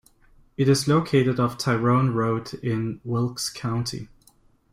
It is located off Tyrone Road in Wilkes County.